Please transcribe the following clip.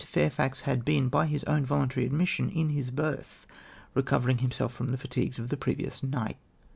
Fairfax had been, by his own voluntary admission, in his berth, recovering himself from the fatigues of the previous nio ht.